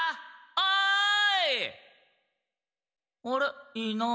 ・おい！